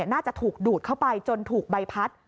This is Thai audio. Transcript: น่าจะถูกดูดเข้าไปจนถูกใบพัด